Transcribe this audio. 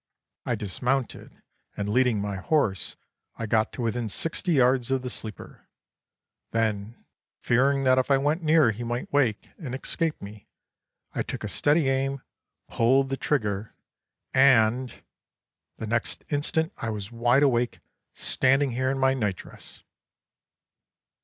I dismounted, and, leading my horse, I got to within sixty yards of the sleeper. Then, fearing that if I went nearer he might wake and escape me, I took a steady aim, pulled the trigger, and the next instant I was wide awake standing here in my night dress.